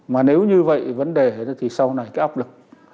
mà nếu như vậy vấn đề thì sau này cái áp lực